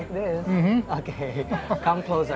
oke datang lebih dekat datang lebih dekat